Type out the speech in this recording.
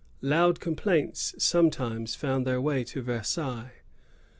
Loud complaints sometimes found their way to Versailles.